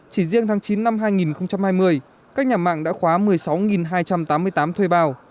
chỉ riêng tháng chín năm hai nghìn hai mươi các nhà mạng đã khóa một mươi sáu hai trăm tám mươi tám thuê bao